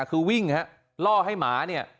คือวิ่งล่อให้หมา